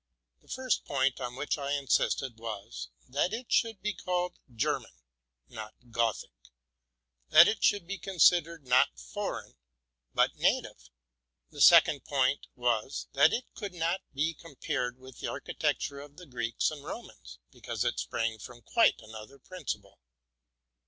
The first point on which I insisted was, that it should be called Ger man, and not Gothic; that it should be considered not for eign, but native. The second point was, that it could not be compared with the architecture of the Greeks and Ro RELATING TO MY LIFE. 101 wnans, because it sprang from quite another principle.